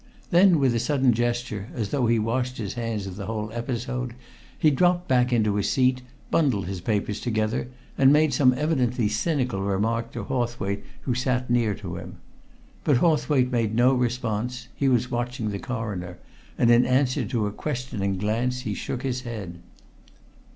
Then, with a sudden gesture, as though he washed his hands of the whole episode, he dropped back into his seat, bundled his papers together, and made some evidently cynical remark to Hawthwaite who sat near to him. But Hawthwaite made no response: he was watching the Coroner, and in answer to a questioning glance he shook his head.